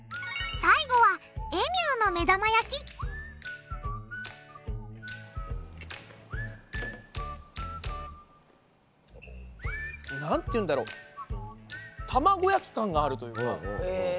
最後はエミューの目玉焼きなんていうんだろ卵焼き感があるというか。